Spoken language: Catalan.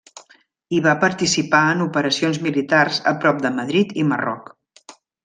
Hi va participar en operacions militars a prop de Madrid i Marroc.